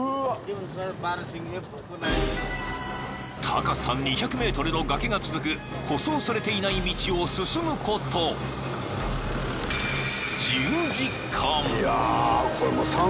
［高さ２００ｍの崖が続く舗装されていない道を進むこと１０時間］